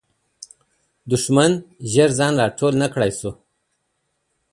دښمن زر ځان را ټول نه کړی سو.